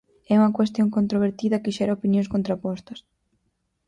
É unha cuestión controvertida que xera opinións contrapostas.